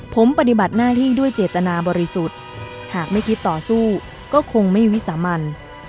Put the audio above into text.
ผมปฏิบัติหน้าที่ด้วยเจตนาบริสุทธิ์หากไม่คิดต่อสู้ก็คงไม่วิสามัน